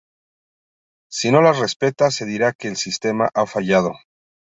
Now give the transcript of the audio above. Si no las respeta, se dirá que el sistema ha fallado.